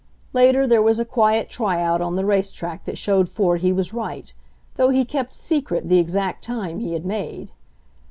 Later there was a quiet tryout on the racetrack that showed Ford he was right, though he kept secret the exact time he had made.